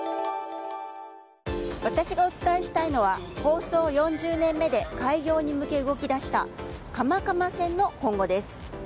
私がお伝えしたいのは構想４０年目で開業に向け動き出した蒲蒲線の今後です。